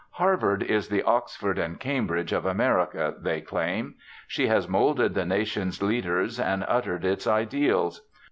Harvard is the Oxford and Cambridge of America, they claim. She has moulded the nation's leaders and uttered its ideals.